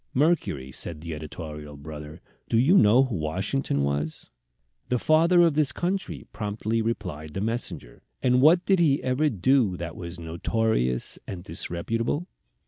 "Mercury," said the editorial brother, "do you know who Washington was?" "The father of his country," promptly replied the messenger. "And what did he ever do that was notorious and disreputable?"